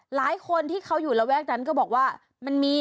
หลายคนที่เขาอยู่ระแวกนั้นก็บอกว่ามันมี